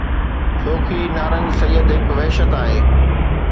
شوخي نارنگ سيد هڪ وحشت آهي